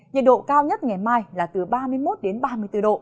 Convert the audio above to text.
nhiệt độ cao nhất ngày mai là từ ba mươi một đến ba mươi bốn độ